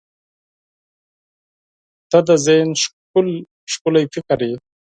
• ته د ذهن ښکلي فکر یې.